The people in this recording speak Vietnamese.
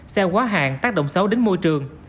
xe quá hàng tác động xấu đến môi trường